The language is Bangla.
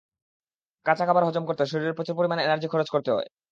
কাঁচা খাবার হজম করতে শরীরের প্রচুর পরিমাণ এনার্জি খরচ করতে হয়।